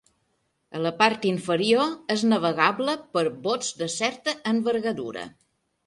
A la part inferior és navegable per bots de certa envergadura.